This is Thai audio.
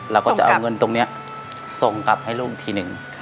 เราก็จะเอาเงินตรงนี้ส่งกลับให้ลูกทีหนึ่ง